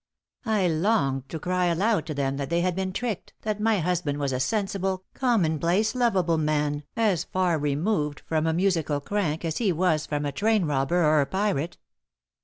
I longed to cry aloud to them that they had been tricked, that my husband was a sensible, commonplace, lovable man, as far removed from a musical crank as he was from a train robber or a pirate.